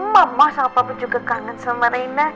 mama sama papa juga kangen sama reina